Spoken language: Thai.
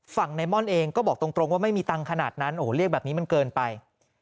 ในม่อนเองก็บอกตรงว่าไม่มีตังค์ขนาดนั้นโอ้โหเรียกแบบนี้มันเกินไป